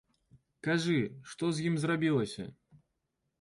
Кажы, што з ім зрабілася?